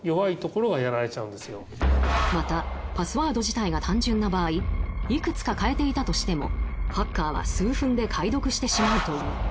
またパスワード自体が単純な場合いくつか変えていたとしてもハッカーは数分で解読してしまうという。